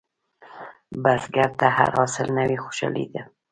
بزګر ته هر حاصل نوې خوشالي ده